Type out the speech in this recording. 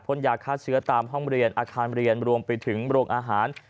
ยาฆ่าเชื้อตามห้องเรียนอาคารเรียนรวมไปถึงโรงอาหาร